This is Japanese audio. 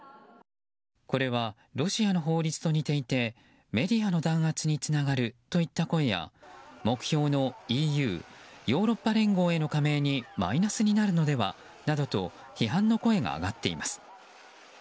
これはロシアの法律と似ていてメディアの弾圧につながるといった声や目標のＥＵ・ヨーロッパ連合への加盟にマイナスになるのではなどと批判の声が上がっています。